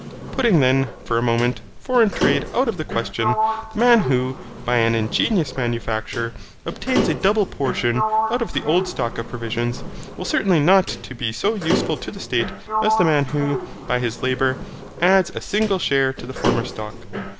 Putting then, for a moment, foreign trade out of the question, the man who, by an ingenious manufacture, obtains a double portion out of the old stock of provisions, will certainly not to be so useful to the state as the man who, by his labour, adds a single share to the former stock.